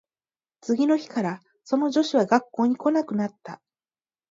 次の日からその女子は学校に来なくなった